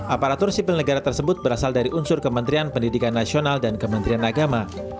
aparatur sipil negara tersebut berasal dari unsur kementerian pendidikan nasional dan kementerian agama